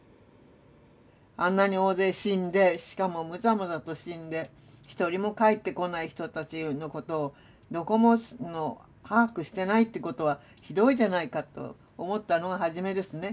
あんなに大勢死んでしかもむざむざと死んで一人も帰ってこない人たちのことをどこも把握してないってことはひどいじゃないかと思ったのがはじめですね。